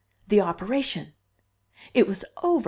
The operation! it was over!